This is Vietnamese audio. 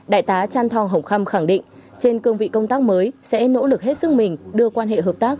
đại tá chan thong hồng khâm khẳng định trên cương vị công tác mới sẽ nỗ lực hết sức mình đưa quan hệ hợp tác